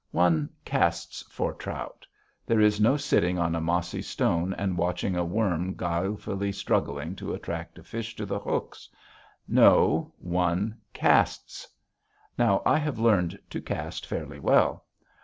One casts for trout. There is no sitting on a mossy stone and watching a worm guilefully struggling to attract a fish to the hooks. No; one casts. Now, I have learned to cast fairly well.